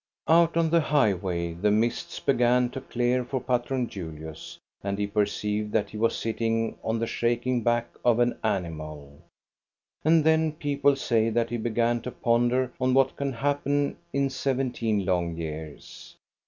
Out on the highway the mists began to clear for Patron Julius, and he perceived that he was sitting on the shaking back of an animal. And then people say that he began to ponder on what can happen in seventeen long years.